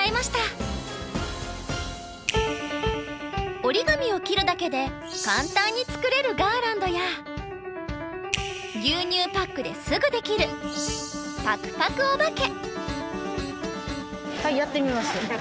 おりがみを切るだけで簡単に作れるガーランドや牛乳パックですぐできる「パクパクおばけ」。